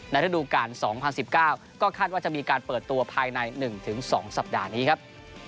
ระดูการ๒๐๑๙ก็คาดว่าจะมีการเปิดตัวภายใน๑๒สัปดาห์นี้ครับ